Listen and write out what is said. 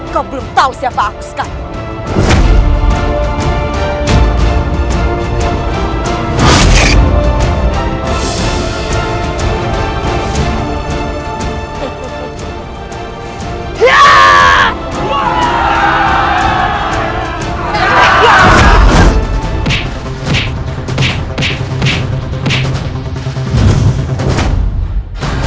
kau belum tahu siapa aku sekarang